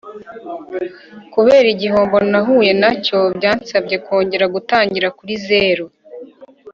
Kubera igihombo nahuye nacyo byansabye kongera gutangirira kuri zero